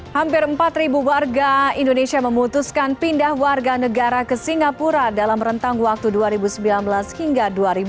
hampir empat warga indonesia memutuskan pindah warga negara ke singapura dalam rentang waktu dua ribu sembilan belas hingga dua ribu dua puluh